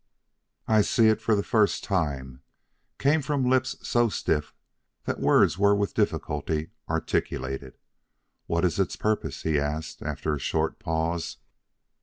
"I see it for the first time," came from lips so stiff that the words were with difficulty articulated. "What is its purpose?" he asked after a short pause.